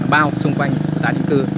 bao xung quanh tài nữ cư